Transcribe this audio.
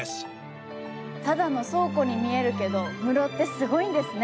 ただの倉庫に見えるけど室ってすごいんですね！